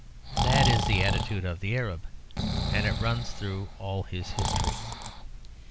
That is the attitude of the Arab; and it runs through all his history.